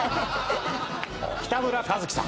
北村一輝さん。